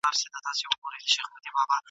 د غونډي فضا ډېره دوستانه وه.